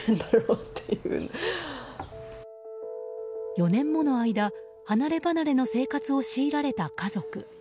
４年もの間、離れ離れの生活を強いられた家族。